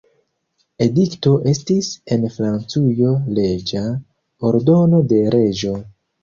Edikto estis en Francujo leĝa ordono de reĝo.